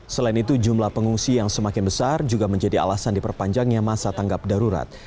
selain itu jumlah pengungsi yang semakin besar juga menjadi alasan diperpanjangnya masa tanggap darurat